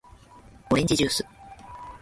おれんじじゅーす